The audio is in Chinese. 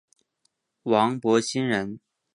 王柏心人。